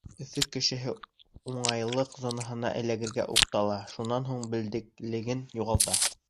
Өфө кешеһе уңайлыҡ зонаһына эләгергә уҡтала, шунан һуң белдеклелеген юғалта.